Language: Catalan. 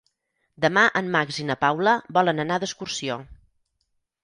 Demà en Max i na Paula volen anar d'excursió.